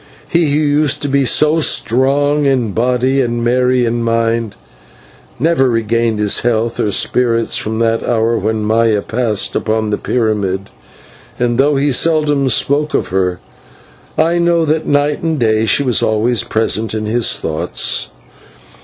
He, who used to be so strong in body and merry in mind, never regained his health or spirits from that hour when Maya passed upon the pyramid, and though he seldom spoke of her, I know that night and day she was always present in his thoughts.